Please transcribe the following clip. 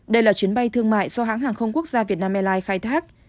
đây là chuyến bay thương mại do hãng hàng không quốc gia vietnam airlines khai thác